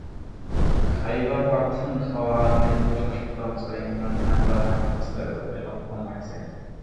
খাইবার পাখতুনখাওয়া আর কেন্দ্রশাসিত অঞ্চলে ইমরান খান প্রাধান্য বিস্তার করতে সক্ষম হয়েছেন।